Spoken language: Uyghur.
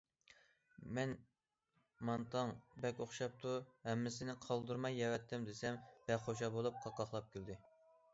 مەن« مانتاڭ بەك ئوخشاپتۇ، ھەممىسىنى قالدۇرماي يەۋەتتىم» دېسەم، بەك خۇشال بولۇپ قاقاقلاپ كۈلدى.